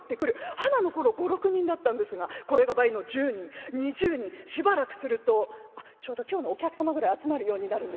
はなの頃５６人だったんですがこれが倍の１０人２０人しばらくするとあっちょうど今日のお客様ぐらい集まるようになるんですね。